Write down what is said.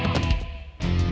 saya yang menang